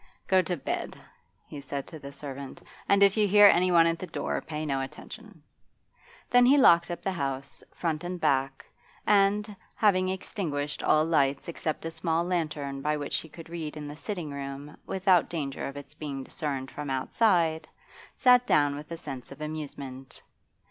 'Go to bed,' he said to the servant. 'And if you hear anyone at the door, pay no attention.' Then he locked up the house, front and back, and, having extinguished all lights except a small lantern by which he could read in the sitting room without danger of its being discerned from outside, sat down with a sense of amusement.